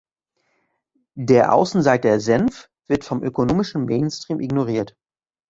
Der Außenseiter Senf wird vom ökonomischen Mainstream ignoriert.